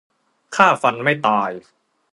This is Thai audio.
ฆ่าฟันไม่ตาย